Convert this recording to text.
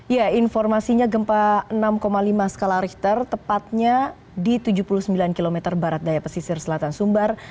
ya informasinya gempa enam lima skala richter tepatnya di tujuh puluh sembilan km barat daya pesisir selatan sumbar